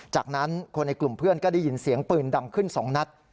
จากนั้นคนในกลุ่มเพื่อนก็ได้ยินเสียงปืนดังขึ้น๒นัด